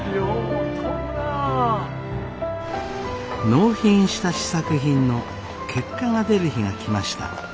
納品した試作品の結果が出る日が来ました。